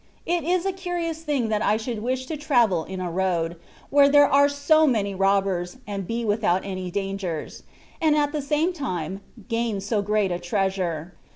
It is a curious thing that I should wish to travel in a road, where there are so many robbers, and be without any dangers, and at the same time gain so great a treasure.